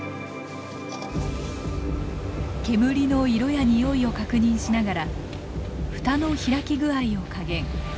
煙の色やにおいを確認しながら蓋の開き具合を加減。